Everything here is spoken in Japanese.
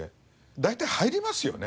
大体入りますよね。